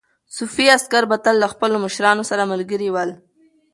صفوي عسکر به تل له خپلو مشرانو سره ملګري ول.